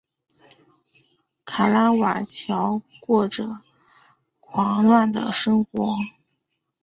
卡拉瓦乔过着狂乱的生活。